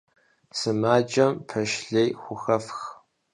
Сымаджэм пэш лей хухэфх.